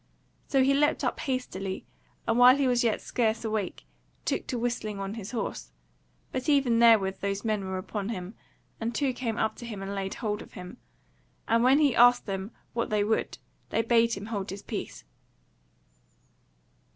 So he leapt up hastily, and while he was yet scarce awake, took to whistling on his horse; but even therewith those men were upon him, and two came up to him and laid hold of him; and when he asked them what they would, they bade him hold his peace.